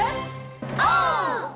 オー！